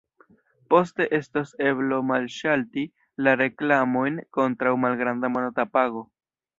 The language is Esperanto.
Poste estos eblo malŝalti la reklamojn kontraŭ malgranda monata pago.